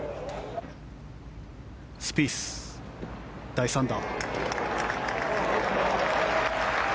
スピース、第３打。